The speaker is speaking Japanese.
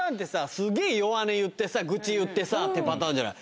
すげえ弱音言ってさグチ言ってさってパターンじゃない？